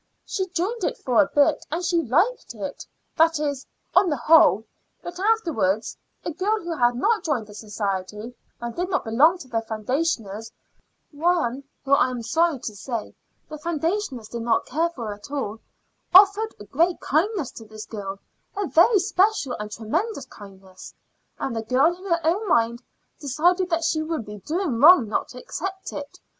She joined it for a bit, and she liked it that is, on the whole but afterwards a girl who had not joined the society and did not belong to the foundationers, one whom I am sorry to say the foundationers did not care for at all, offered a great kindness to this girl a very special and tremendous kindness and the girl in her own mind decided that she would be doing wrong not to accept it.